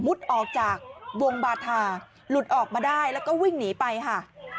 ออกจากวงบาธาหลุดออกมาได้แล้วก็วิ่งหนีไปค่ะ